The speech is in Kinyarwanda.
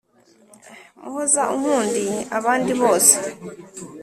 muhoza unkundiye abandi bose